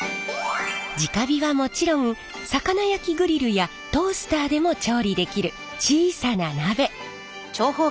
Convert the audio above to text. じか火はもちろん魚焼きグリルやトースターでも調理できる小さな鍋。